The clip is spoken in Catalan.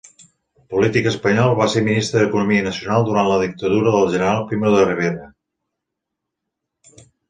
Polític espanyol, va ser ministre d'Economia Nacional durant la dictadura del general Primo de Rivera.